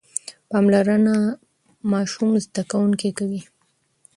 پاملرنه ماشوم زده کوونکی کوي.